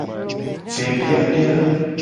Dediadia.